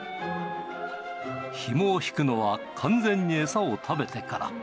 ひもを引くのは完全に餌を食べてから。